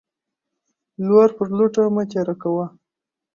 لور پر لوټه مه تيره کوه.